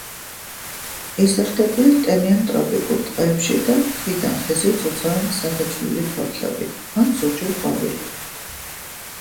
იზრდებიან ტენიან ტროპიკულ ტყეებში და ხიდან ხეზე ცოცავენ სახეცვლილი ფოთლებით ან ზოგჯერ ყვავილებით.